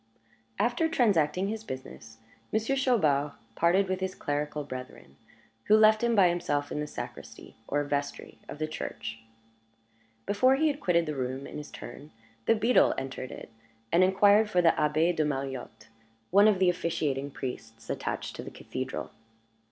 After transacting his business, Monsieur Chaubard parted with his clerical brethren, who left him by himself in the sacristy (or vestry) of the church. Before he had quitted the room, in his turn, the beadle entered it, and inquired for the Abbé de Mariotte, one of the officiating priests attached to the cathedral.